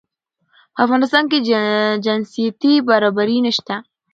په افغانستان کې جنسيتي برابري نشته